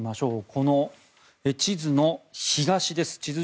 この地図の東です。